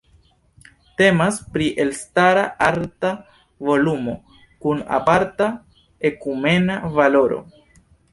Temas pri elstara arta volumo kun aparta ekumena valoro.